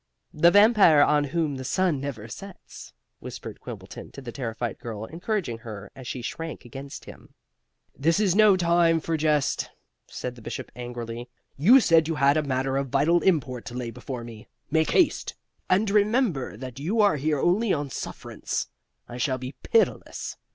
"The Vampire on whom the sun never sets," whispered Quimbleton to the terrified girl, encouraging her as she shrank against him. "This is no time for jest," said the Bishop angrily. "You said you had a matter of vital import to lay before me. Make haste. And remember that you are here only on sufferance. I shall be pitiless.